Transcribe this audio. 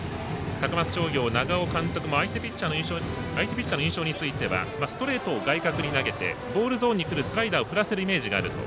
高松商業、長尾監督も相手ピッチャーの印象についてはストレートを外角に投げてボールゾーンにくるスライダーを振らせるイメージがあると。